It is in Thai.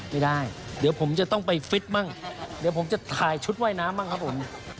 ไม่ได้เดี๋ยวผมจะต้องไปฟิตบ้างเดี๋ยวผมจะถ่ายชุดว่ายน้ำบ้างครับผม